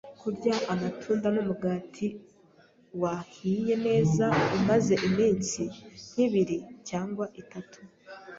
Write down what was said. Kurya amatunda n’umugati wahiye neza umaze iminsi nk’ibiri cyangwa itatu,